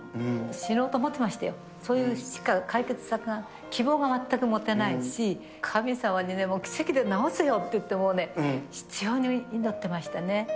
死のうと思ってましたよ、それしか解決策が、希望が全く持てないし、神様にでも、奇跡で治せよって言って、もうね、執ように祈ってましたね。